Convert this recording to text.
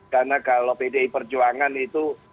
karena kalau pdi perjuangan itu